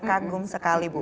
kagum sekali bu